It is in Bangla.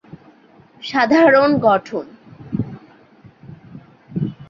সাধারণ গঠন